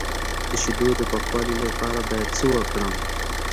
د شیدو د پاکوالي لپاره باید څه وکړم؟